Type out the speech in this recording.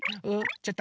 ちょっと。